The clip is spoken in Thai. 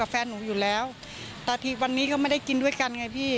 แฟนหนูอยู่แล้วแต่ทีวันนี้ก็ไม่ได้กินด้วยกันไงพี่